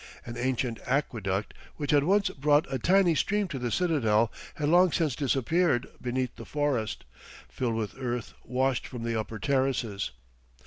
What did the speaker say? An ancient aqueduct which had once brought a tiny stream to the citadel had long since disappeared beneath the forest, filled with earth washed from the upper terraces.